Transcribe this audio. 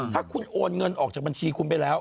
ถ้าคุณโอนเงินออกจากบัญชีคุณไปแล้ว